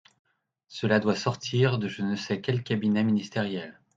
Cela doit sortir de je ne sais quel cabinet ministériel.